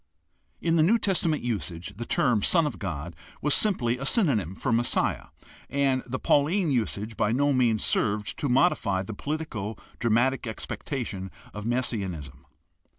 In the New Testament usage the term "Son of God" was simply a synonym for "Messiah," and the Pauline usage by no means served to modify the politico dramatic expectation of messianism.